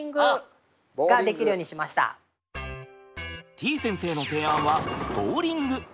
てぃ先生の提案はボウリング。